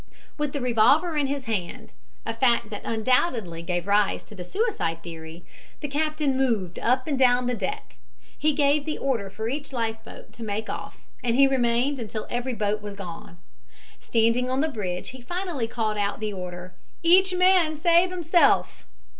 With the revolver in his hand a fact that undoubtedly gave rise to the suicide theory the captain moved up and down the deck. He gave the order for each life boat to make off and he remained until every boat was gone. Standing on the bridge he finally called out the order: "Each man save himself."